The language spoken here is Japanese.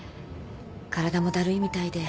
体もだるいみたいで。